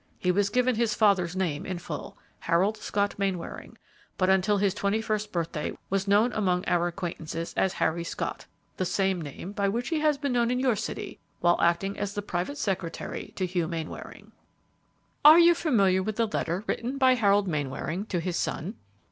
He was given his father's name in full, Harold Scott Mainwaring, but until his twenty first birthday was known among our acquaintances as Harry Scott, the same name by which he has been known in your city while acting as private secretary to Hugh Mainwaring." "Are you familiar with the letter written by Harold Mainwaring to his son?"